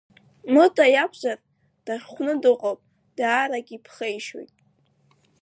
Мыта иакәзар, дахьхәны дыҟоуп, даарагьы иԥхеишьоит.